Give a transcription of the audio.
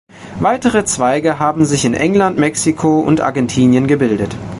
Weitere Zweige haben sich in England, Mexico und Argentinien gebildet.